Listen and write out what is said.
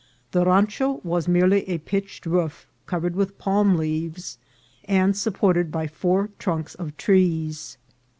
The rancho was merely a pitched roof covered with palm leaves, and supported by four trunks of trees.